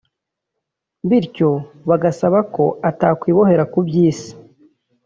bityo bagasaba ko atakwibohera ku by’isi